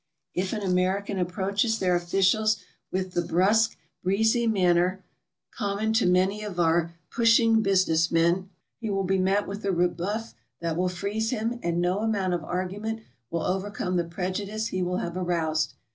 If an American approaches their officials with the brusque, breezy manner common to many of our pushing business men, he will be met with a rebuff that will freeze 'him, and no amount of argument will overcome the prejudice he will have aroused.